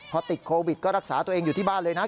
พอติดโควิดก็รักษาตัวเองอยู่ที่บ้านเลยนะ